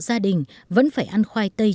gia đình vẫn phải ăn khoai tây